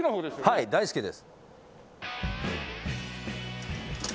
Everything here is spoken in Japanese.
はい大好きです。